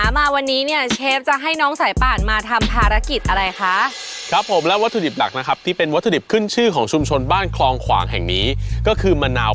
ถึงแล้วค่ะนี่ชุมชนคลองขวางนนทบุรี